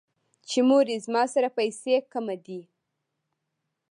چې مورې زما سره پېسې کوم دي ـ